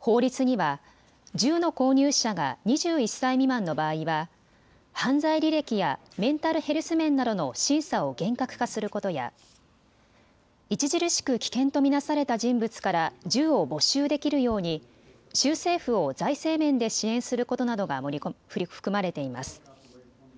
法律には銃の購入者が２１歳未満の場合は犯罪履歴やメンタルヘルス面などの審査を厳格化することや著しく危険と見なされた人物から銃を没収できるように州政府を財政面で支援することなどが含まれています。